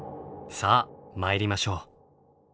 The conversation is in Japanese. さあ参りましょう。